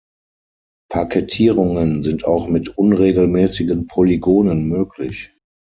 Parkettierungen sind auch mit unregelmäßigen Polygonen möglich.